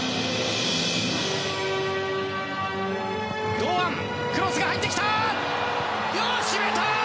堂安、クロスが入ってきた！